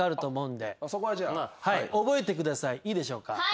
いいでしょうか？